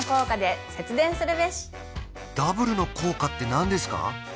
Ｗの効果って何ですか？